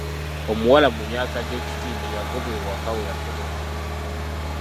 Omuwala mu myaka gy'ekitiini yagobwa ewaka bwe yafuna olubuto.